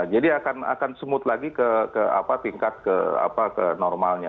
jadi akan akan semut lagi ke apa tingkat ke apa ke normalnya